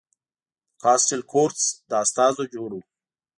د کاسټیل کورتس له استازو جوړ و.